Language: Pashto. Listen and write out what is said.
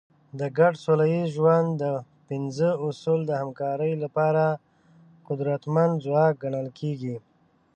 د ګډ سوله ییز ژوند پنځه اصول د همکارۍ لپاره قدرتمند ځواک ګڼل کېږي.